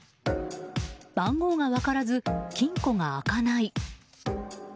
番号が分からず、金庫が開かない。